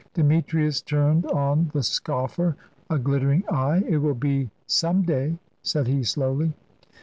Demetrius turned on the scoffer a glittering eye. "It will be, some day," said he, slowly.